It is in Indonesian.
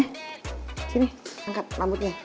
sini angkat rambutnya